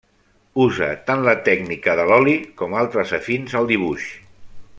Usa tant la tècnica de l'oli com altres afins al dibuix.